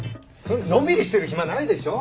のんびりしてる暇ないでしょ。